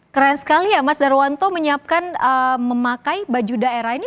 keren sekali ya mas darwanto menyiapkan memakai baju daerah ini